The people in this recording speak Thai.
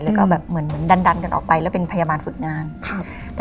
แล้วก็แบบเหมือนเหมือนดันดันกันออกไปแล้วเป็นพยาบาลฝึกงานครับ